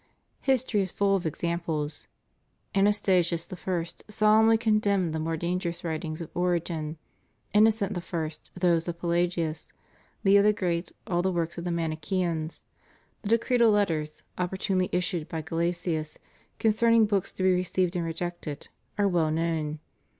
History is full of examples. Anastasius I. solemnly condemned the more dangerous writings of Origen, Innocent I. those of Pelagius, Leo the Great all the works of the Manicheans. The decretal letters, opportunely issued by Gelasius, con cerning books to be received and rejected, are well known.